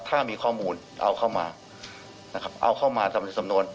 ถ้ามีข้อมูลเอาเข้ามานะครับเอาเข้ามาทำในสำนวน